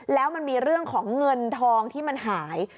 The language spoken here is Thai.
แล้วมันมีเรื่องของเงินทองที่มันหาย